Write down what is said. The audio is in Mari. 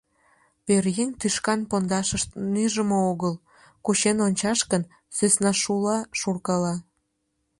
Пӧръеҥ тӱшкан пондашышт нӱжымӧ огыл, кучен ончаш гын, сӧснашула шуркала.